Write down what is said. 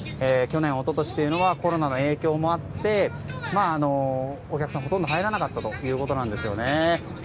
去年、一昨年というのはコロナの影響もあってお客さんがほとんど入らなかったということなんです。